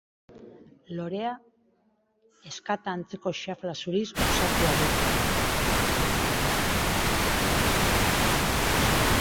Lorea ezkata antzeko xafla zuriz osatua du.